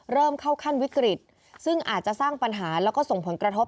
เริ่มเข้าขั้นวิกฤตซึ่งอาจจะสร้างปัญหาแล้วก็ส่งผลกระทบ